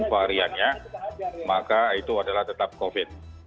variannya maka itu adalah tetap covid